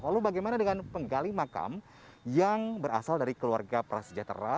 lalu bagaimana dengan penggali makam yang berasal dari keluarga prasejahtera